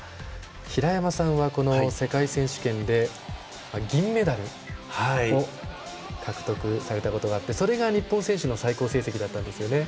平山さんはこの世界選手権で銀メダルを獲得されたことがあってそれが日本選手の最高成績だったんですよね。